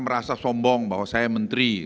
merasa sombong bahwa saya menteri